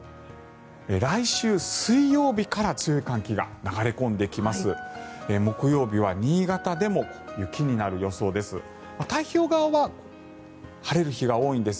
来週水曜日から強い寒気が流れ込んできます。